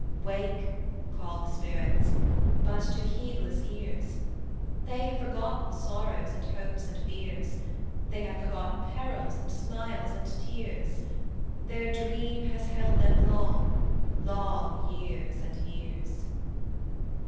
"Wake," call the spirits: But to heedless ears; They have forgotten sorrows And hopes and fears; They have forgotten perils And smiles and tears; Their dream has held them long, Long years and years.